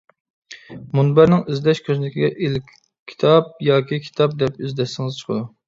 مۇنبەرنىڭ ئىزدەش كۆزنىكىگە ‹ ‹ئېلكىتاب› › ياكى ‹ ‹كىتاب› › دەپ ئىزدەتسىڭىز چىقىدۇ.